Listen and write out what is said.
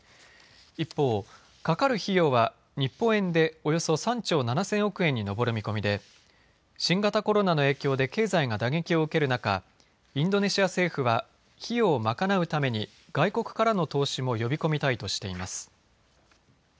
一方、かかる費用は日本円でおよそ３兆７０００億円に上る見込みで新型コロナの影響で経済が打撃を受ける中、インドネシア政府は費用を賄うために外国からの投資も呼び込みたいとしています。